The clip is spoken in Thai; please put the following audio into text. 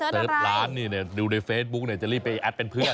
ร้านนี่ดูในเฟซบุ๊กจะรีบไปแอดเป็นเพื่อน